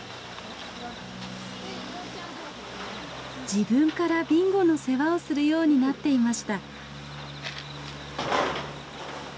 自分からビンゴの世話をするようになっていました。